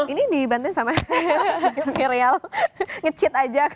ini dibantuin sama miriel nge cheat aja